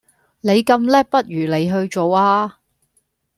你咁叻不如你去做吖